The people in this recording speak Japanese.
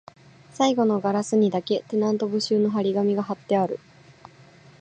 最後のガラスにだけ、テナント募集の張り紙が張ってある